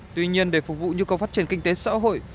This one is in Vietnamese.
tuy nhiên để phục vụ nhu cầu phát triển kinh tế xã hội